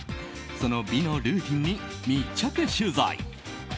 その美のルーティンに密着取材。